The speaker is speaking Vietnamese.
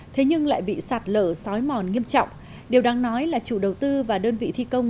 thế nhưng lại bị sạt lở xói mòn nghiêm trọng điều đáng nói là chủ đầu tư và đơn vị thi công